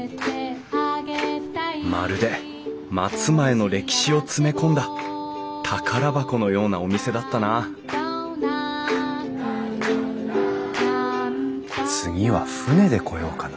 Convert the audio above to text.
まるで松前の歴史を詰め込んだ宝箱のようなお店だったな次は船で来ようかな。